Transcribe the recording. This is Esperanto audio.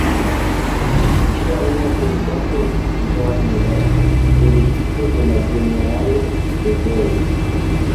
Ĝia unua prezidanto estis Jean Moulin, delegito de la generalo de Gaulle.